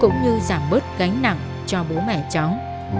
cũng như giảm bớt gánh nặng cho bố mẹ cháu